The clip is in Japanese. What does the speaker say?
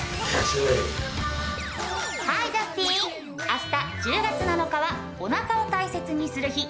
明日１０月７日はおなかを大切にする日。